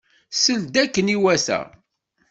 Sel-d akken iwata.